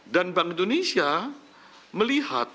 dan bank indonesia melihat